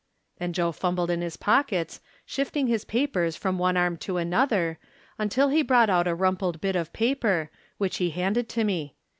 And Joe fumbled in his pockets, shifting his papers from one arm to the other, until he brought out a rumpled bit of paper, which he handed to me.